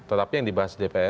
tetapi yang dibahas dpr